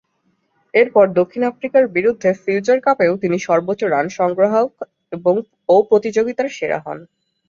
এরপর দক্ষিণ আফ্রিকার বিরুদ্ধে ফিউচার কাপেও তিনি সর্বোচ্চ রান সংগ্রাহক ও প্রতিযোগিতার সেরা হন।